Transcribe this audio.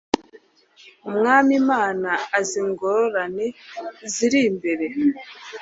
Umwami Imana azi ingorane ziri imbere